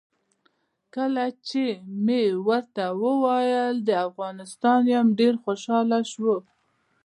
کله چې مې ورته وویل د افغانستان یم ډېر خوشاله شو.